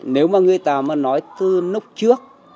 nếu mà người ta mà nói từ lúc trước